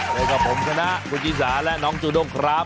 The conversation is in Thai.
เจอกับผมชนะคุณชิสาและน้องจูด้งครับ